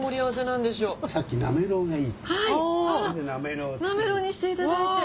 なめろうにしていただいて。